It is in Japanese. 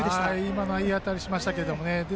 今のはいい当たりしましたけどね。